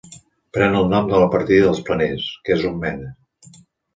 Pren el nom de la partida dels Planers, que és on mena.